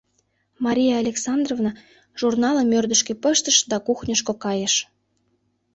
Мария Александровна журналым ӧрдыжкӧ пыштыш да кухньышко кайыш.